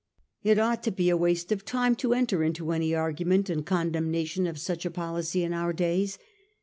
It ought to he a waste of time to enter into any argument in condemnation of such a policy in our days.